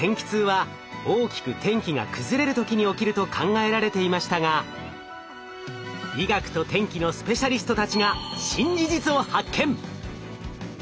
痛は大きく天気が崩れる時に起きると考えられていましたが医学と天気のスペシャリストたちが新事実を発見！